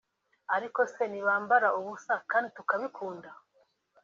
Ariko se ntibambara ubusa kdi tukabikunda